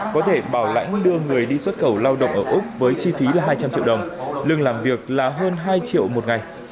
có thể bảo lãnh đưa người đi xuất khẩu lao động ở úc với chi phí là hai trăm linh triệu đồng lương làm việc là hơn hai triệu một ngày